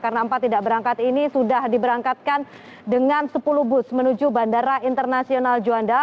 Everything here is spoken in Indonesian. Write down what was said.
karena empat tidak berangkat ini sudah diberangkatkan dengan sepuluh bus menuju bandara internasional juanda